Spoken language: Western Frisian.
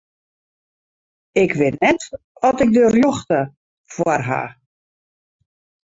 Ik wit net oft ik de rjochte foar haw.